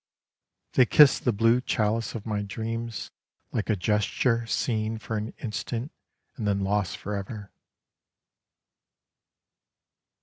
They kiss the blue chalice of my dreams Like a gesture seen for an instant and then lost forever.